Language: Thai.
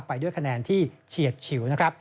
ไปด้วยคะแนนที่เฉียดฉิวนะครับ